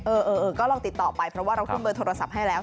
เออก็ลองติดต่อไปเพราะว่าเราขึ้นเบอร์โทรศัพท์ให้แล้ว